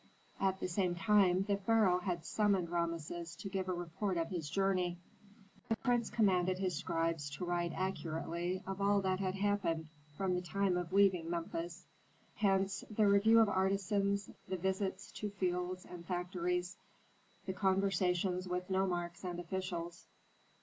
At the same time the pharaoh had summoned Rameses to give a report of his journey. The prince commanded his scribes to write accurately of all that had happened from the time of leaving Memphis; hence the review of artisans, the visits to fields and factories, the conversations with nomarchs and officials.